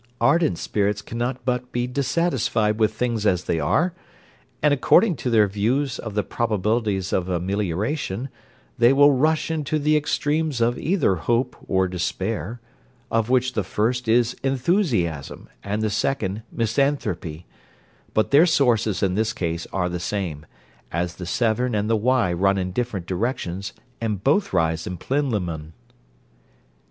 Ardent spirits cannot but be dissatisfied with things as they are; and, according to their views of the probabilities of amelioration, they will rush into the extremes of either hope or despair of which the first is enthusiasm, and the second misanthropy; but their sources in this case are the same, as the Severn and the Wye run in different directions, and both rise in Plinlimmon.